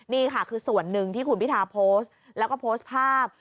นี่ค่ะคือส่วนหนึ่งที่คุณพิทาโพสต์แล้วก็โพสต์ภาพ